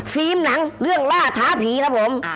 ฟีล์มหนังเรื่องล่าช้าผีครับผม